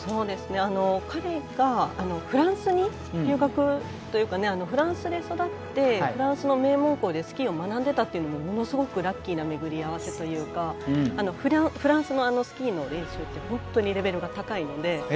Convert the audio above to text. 彼がフランスに留学というかフランスで育ってフランスの名門校でスキーを学んでたというのもものすごくラッキーな巡り合わせというかフランスのスキーの練習って本当にレベルが高いので。